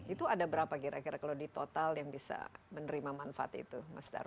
itu ada berapa kira kira kalau di total yang bisa menerima manfaat itu mas darwi